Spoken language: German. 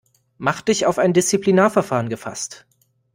Mach dich auf ein Disziplinarverfahren gefasst.